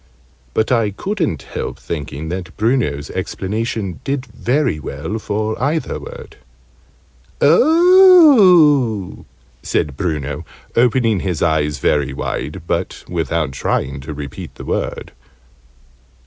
But I couldn't help thinking that Bruno's explanation did very well for either word. "Oh!" said Bruno, opening his eyes very wide, but without trying to repeat the word.